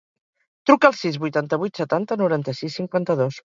Truca al sis, vuitanta-vuit, setanta, noranta-sis, cinquanta-dos.